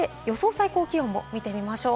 最高気温も見てみましょう。